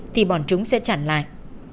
thì bọn chúng sẽ chặn lại